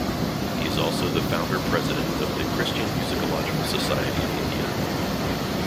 He is also the Founder-President of the Christian Musicological Society of India.